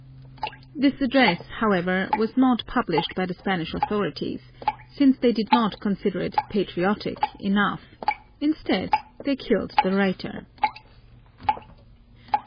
This address, however, was not published by the Spanish authorities, since they did not consider it "patriotic" enough; instead, they killed the writer!